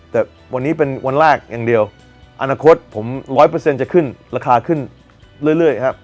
แต่วันนี้เป็นวันแรกอย่างเดียวอนาคตผม๑๐๐จะขึ้นราคาขึ้นเรื่อยครับ